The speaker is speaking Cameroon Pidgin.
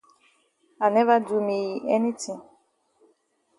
I never do me yi anytin.